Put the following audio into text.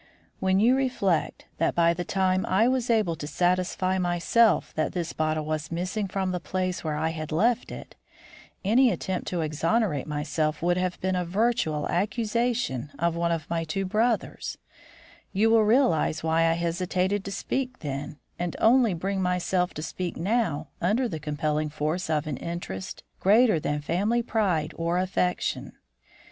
"When you reflect that by the time I was able to satisfy myself that this bottle was missing from the place where I had left it, any attempt to exonerate myself would have been a virtual accusation of one of my two brothers, you will realise why I hesitated to speak then, and only bring myself to speak now under the compelling force of an interest greater than family pride or affection.